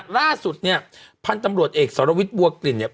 ล่าสุดเนี่ยพันธุ์ตำรวจเอกสรวิทย์บัวกลิ่นเนี่ย